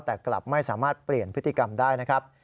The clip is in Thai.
แต่กลับไม่สามารถเปลี่ยนพฤติกรรมได้นะครับ